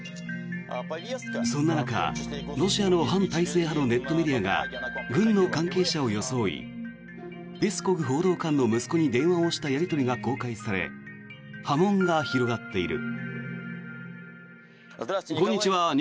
そんな中、ロシアの反体制派のネットメディアが軍の関係者を装いペスコフ報道官の息子に電話をしたやり取りが公開され波紋が広がっている。